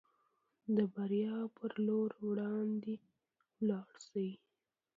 د بریا په لور وړاندې لاړ شئ.